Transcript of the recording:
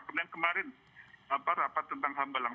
kemudian kemarin rapat tentang hambalang